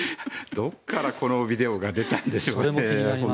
どこからこのビデオが出たんでしょうね。